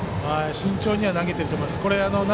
慎重には投げていると思います。